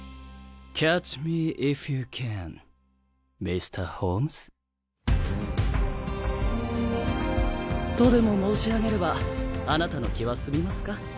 「キャッチミーイフユーキャン」「ミスターホームズ」「とでも申し上げればあなたの気は済みますか？」